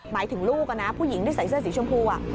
หมายถึงลูกนะผู้หญิงที่ใส่เสื้อสีชมพู